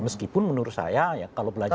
meskipun menurut saya ya kalau belajar